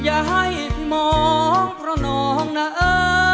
อย่าให้มองเพราะน้องนะเออ